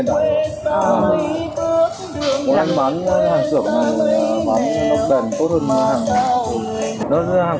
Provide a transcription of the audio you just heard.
mình bán hàng sửa mà mình bán đọc đèn tốt hơn hàng